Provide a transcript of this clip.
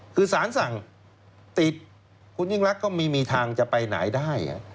คือสารสั่งติดคุณยิ่งรักก็ไม่มีทางจะไปไหนได้